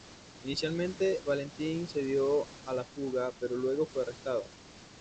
Inicialmente Valentine se dio a la fuga, pero luego fue arrestado.